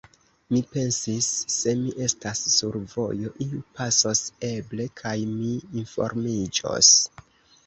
Mi pensis: «Se mi estas sur vojo, iu pasos eble, kaj mi informiĝos. »